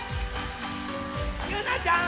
ゆうなちゃん！